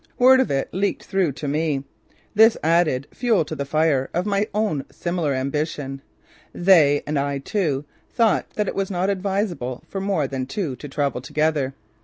Word of it leaked through to me. This added fuel to the fire of my own similar ambition. They, and I too, thought that it was not advisable for more than two to travel together.